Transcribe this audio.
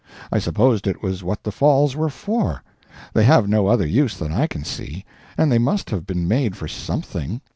I supposed it was what the Falls were for. They have no other use that I can see, and they must have been made for something.